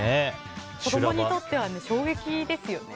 子供にとっては衝撃ですね。